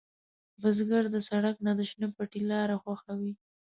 بزګر د سړک نه، د شنې پټي لاره خوښوي